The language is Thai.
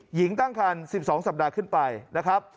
หญิงตั้งคัน๑๒สัปดาห์ขึ้นไปนะครับ